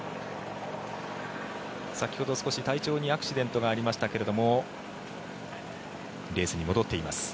先ほど少し体調にアクシデントがありましたがレースに戻っています。